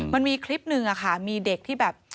มันมีคลิปหนึ่งอะค่ะมีเด็กที่แบบ